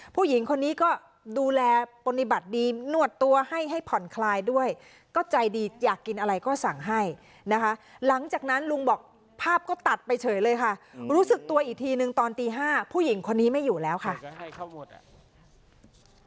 เพราะฉะนั้นลุงบอกภาพก็ตัดไปเฉยเลยค่ะรู้สึกตัวอีกทีหนึ่งตอนตีห้าผู้หญิงคนนี้ไม่อยู่แล้วค่ะ